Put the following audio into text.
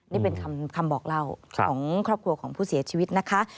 นี่เป็นคำบอกเล่าของครอบครัวของผู้เสียชีวิตนะคะ